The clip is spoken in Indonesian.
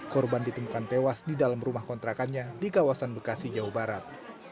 korban ditemukan tewas di dalam rumah kontrakannya di kawasan bekasi jawa barat